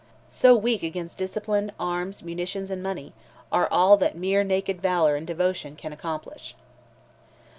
So weak against discipline, arms, munitions and money, are all that mere naked valour and devotion can accomplish!